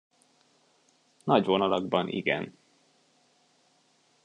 Nagy vonalakban igen.